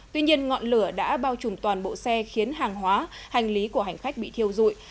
tuy nhiên ngọn lửa đã bao trùm toàn bộ xe khiến hàng hóa hành lý của hành khách bị thiêu dụi